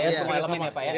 iya sama semua